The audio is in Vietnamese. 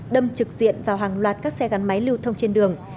đâm trực diện vào hàng loạt các xe gắn máy lưu thông trên đường